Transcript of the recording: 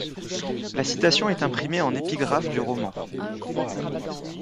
La citation est imprimée en épigraphe du roman.